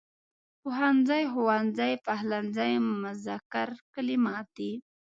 پوهنځی، ښوونځی، پخلنځی مذکر کلمات دي.